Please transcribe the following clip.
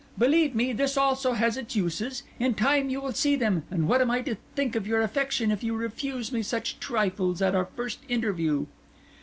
"Believe me, this also has its uses; in time you will see them; and what am I to think of your affection, if you refuse me such trifles at our first interview?"